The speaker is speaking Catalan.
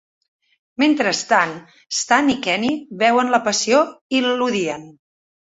Mentrestant, Stan i Kenny veuen "La passió" i l'odien.